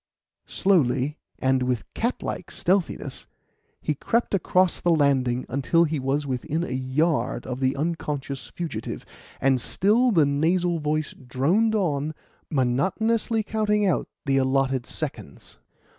Slowly and with cat like stealthiness, he crept across the landing until he was within a yard of the unconscious fugitive, and still the nasal voice droned on, monotonously counting out the allotted seconds.